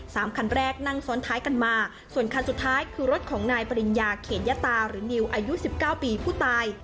คันแรกนั่งซ้อนท้ายกันมาส่วนคันสุดท้ายคือรถของนายปริญญาเขตยตาหรือนิวอายุสิบเก้าปีผู้ตาย